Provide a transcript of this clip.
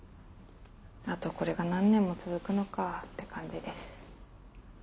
あとこれが何年も続くのかぁって感じです。